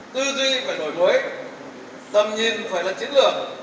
tư duy phải đổi mới tầm nhìn phải là chiến lược